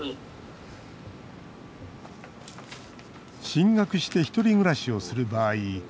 進学して１人暮らしをする場合